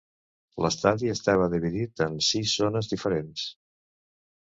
L'estadi estava dividit en sis zones diferents.